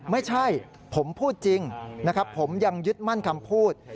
ไม่ใช่ผมพูดจริงนะครับผมยังยึดมั่นคำพูด